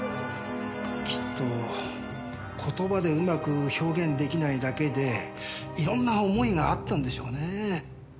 きっと言葉でうまく表現出来ないだけで色んな思いがあったんでしょうねえ。